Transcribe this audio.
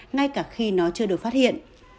ngay cả khi nó chưa được phát hiện